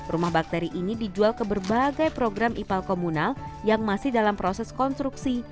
rumah bakteri ini dijual ke berbagai program ipal komunal yang masih dalam proses konstruksi